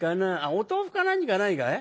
お豆腐か何かないかい？